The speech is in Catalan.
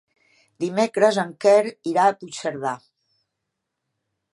Dimecres en Quer irà a Puigcerdà.